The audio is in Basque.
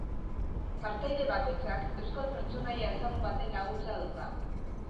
Partaide bakoitzak euskal pertsonaia ezagun baten laguntza dauka.